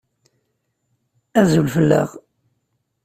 Azul fell-aɣ.